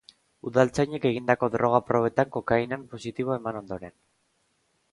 Udaltzainek egindako droga probetan kokainan positibo eman ondoren.